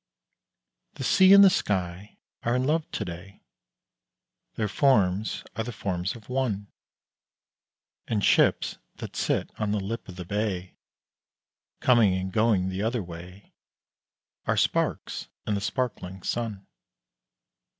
The sea and the sky are in love to day, Their forms are the forms of one; And ships that sit on the lip of the bay, Coming and going the other way, Are sparks in the sparkling sun.